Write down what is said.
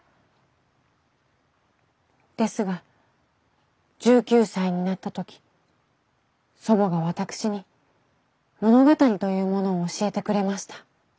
ですが１９歳になった時祖母が私に物語というものを教えてくれました。